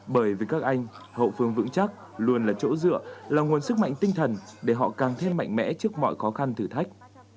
bởi vì các anh hậu phương vững chắc luôn là chỗ dựa là nguồn sức mạnh tinh thần để họ càng thêm mạnh mẽ trước mọi khó khăn thử thách